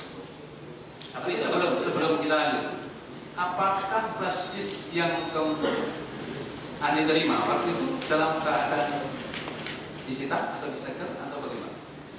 tapi sebelum kita lanjut apakah brush test yang keuntungan diterima apakah itu dalam keadaan di sitar atau di setar atau bagaimana